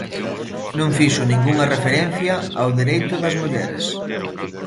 Non fixo ningunha referencia ao dereito das mulleres.